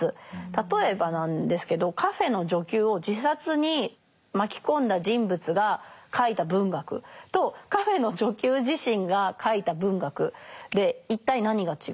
例えばなんですけどカフェーの女給を自殺に巻き込んだ人物が書いた文学とカフェーの女給自身が書いた文学で一体何が違うのか。